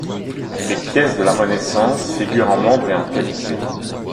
Les pièces de la Renaissance figurent en nombre et en qualité.